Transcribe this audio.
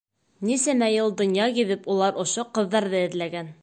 Нисәмә йыл донъя гиҙеп улар ошо ҡыҙҙарҙы эҙләгән.